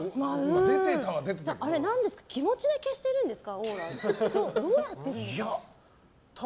あれ、気持ちで消してるんですか？